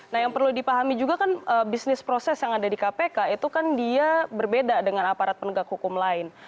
nah yang perlu dipahami juga kan bisnis proses yang ada di kpk itu kan dia berbeda dengan aparat penegak hukum lain